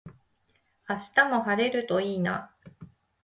明日も晴れるといいな。